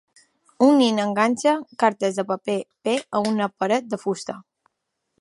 Un nen enganxa cartes de paper P a una paret de fusta.